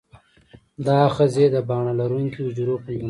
دا آخذې د باڼه لرونکي حجرو په نامه دي.